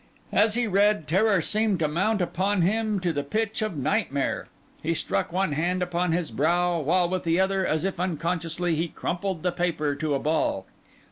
As he read, terror seemed to mount upon him to the pitch of nightmare. He struck one hand upon his brow, while with the other, as if unconsciously, he crumpled the paper to a ball.